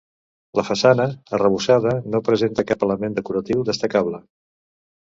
La façana, arrebossada, no presenta cap element decoratiu destacable.